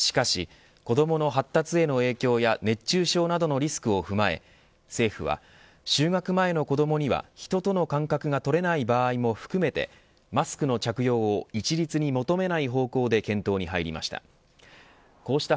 しかし子どもの発達への影響や熱中症などのリスクを踏まえ、政府は就学前の子どもには、人との間隔が取れない場合も含めてマスクの着用を一律に求めない方向で検討に入りました。